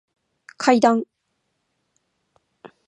階段